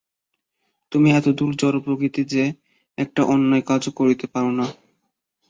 তুমি এতদূর জড়প্রকৃতি যে, একটা অন্যায় কাজও করিতে পার না।